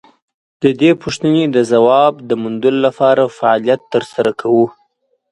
د دې پوښتنې د ځواب د موندلو لپاره فعالیت تر سره کوو.